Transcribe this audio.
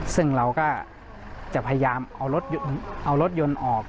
ซึ่งเราก็จะพยายามเอารถยนต์ออก